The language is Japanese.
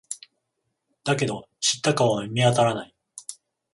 だけど、知った顔は見当たらない。